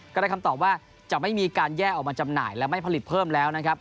ก็ได้คำตอบว่าจะไม่มีการแยกออกมาจำหน่ายและไม่ผลิตเพิ่มแล้วนะครับ